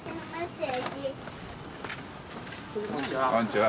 こんにちは。